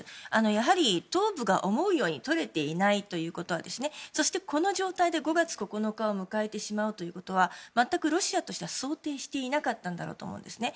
やはり東部が思うように取れていないということはそして、この状態で５月９日を迎えてしまうということは全くロシアとしては想定していなかったんだろうと思うんですね。